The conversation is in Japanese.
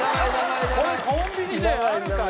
これコンビニであるから！